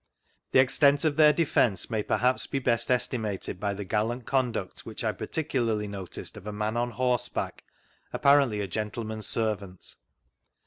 The extent ot their defence may perhaps best be estimated by the gallant conduct, which I particularly iu>ticed, of a man on horse back, apparently a gentleman's savant.